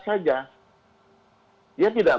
saja dia tidak